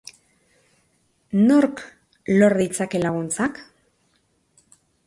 Nork lor ditzake laguntzak?